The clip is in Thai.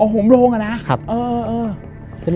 อ๋อโหมโลงอะนะ